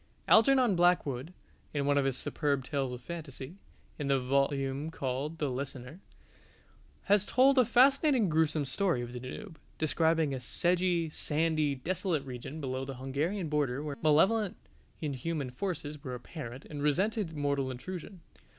Algernon Blackwood, in one of his superb tales of fantasy (in the volume called "The Listener") has told a fascinating gruesome story of the Danube, describing a sedgy, sandy, desolate region below the Hungarian border where malevolent inhuman forces were apparent and resented mortal intrusion.